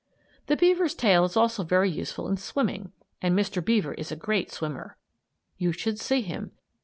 The beaver's tail is also very useful in swimming, and Mr. Beaver is a great swimmer. You should see him.